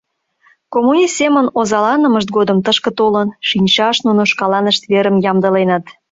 Коммунист семын озаланымышт годым тышке толын шинчаш нуно шкаланышт верым ямдыленыт.